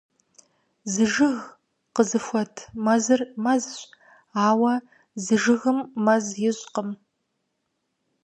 Зы жыг къызыхуэт мэзыр — мэзщ. Ауэ зы жыгым мэз ищӀкъым.